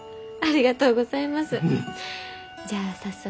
じゃあ早速。